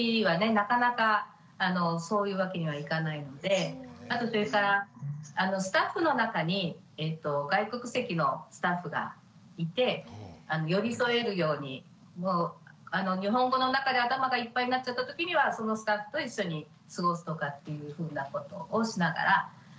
なかなかそういうわけにはいかないのであとそれからスタッフの中に外国籍のスタッフがいて寄り添えるように日本語の中で頭がいっぱいになっちゃったときにはそのスタッフと一緒に過ごすとかっていうふうなことをしながらやってます。